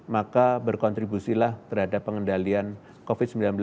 maka berkontribusilah terhadap pengendalian covid sembilan belas